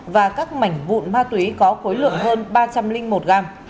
và các mảnh vụn ma túy có khối lượng hơn ba trăm linh một gram